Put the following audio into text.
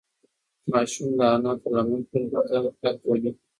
ماشوم د انا په لمن پورې ځان کلک ونیو.